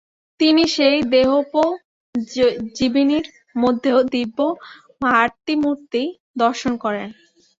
তিনি সেই দেহোপজীবিনীর মধ্যেও দিব্য মাতৃমূর্তি দর্শন করেন।